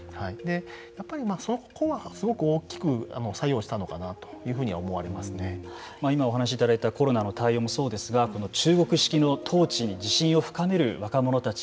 やっぱりそこはすごく大きく作用したのかなというふうには今、お話しいただいたコロナの対応もそうですが中国式の統治に自信を深める若者たち